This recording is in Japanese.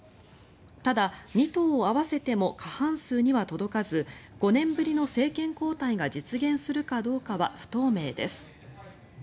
ただ、２党を合わせても過半数には届かず５年ぶりの政権交代が実現するかどうかは不透明です。